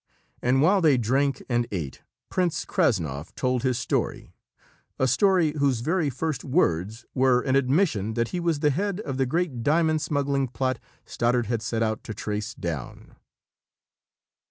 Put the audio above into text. And while they drank and ate, Prince Krassnov told his story a story whose very first words were an admission that he was the head of the great diamond smuggling plot Stoddard had set out to trace down.